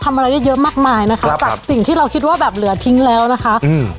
อะไรได้เยอะมากมายนะคะจากสิ่งที่เราคิดว่าแบบเหลือทิ้งแล้วนะคะอืม